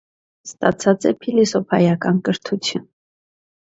Ստացած է փիլիսոփայական կրթութիւն։